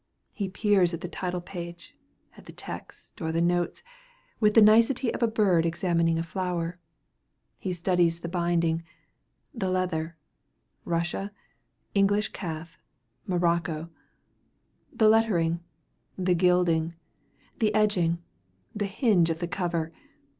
He peers at the title page, at the text, or the notes, with the nicety of a bird examining a flower. He studies the binding: the leather, russia, English calf, morocco; the lettering, the gilding, the edging, the hinge of the cover!